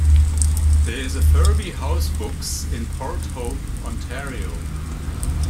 There is a Furby House Books in Port Hope, Ontario.